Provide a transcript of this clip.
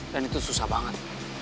dan itu susah banget